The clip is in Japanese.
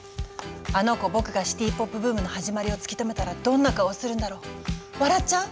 「あの娘ぼくがシティポップブームのはじまりを突き止めたらどんな顔するだろう笑っちゃう？